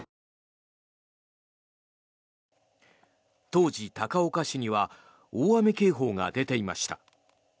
当時、高岡市には大雨警報が出ていました。